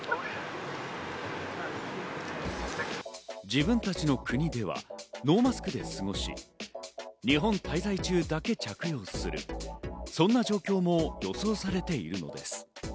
自分たちの国ではノーマスクで過ごし、日本滞在中だけ着用する、そんな状況も予想されているのです。